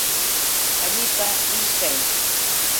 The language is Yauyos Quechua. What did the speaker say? Allipa richkay.